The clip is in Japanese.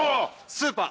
スーパー。